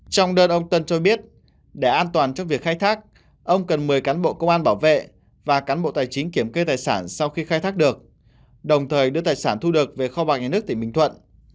trong đơn ông tân cho biết để an toàn cho việc khai thác ông cần mời cán bộ công an bảo vệ và cán bộ tài chính kiểm kê tài sản sau khi khai thác được đồng thời đưa tài sản thu được về kho bạc nhà nước tỉnh bình thuận